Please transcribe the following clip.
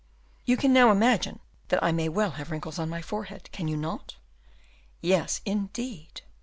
"You can now imagine that I may well have wrinkles on my forehead, can you not?" "Yes, indeed!"